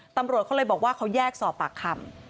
ตำรวจเขาเลยบอกว่าเขาแยกสอบปากคำ